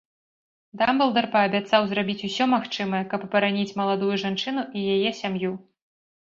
Дамблдар паабяцаў зрабіць усё магчымае, каб абараніць маладую жанчыну і яе сям'ю.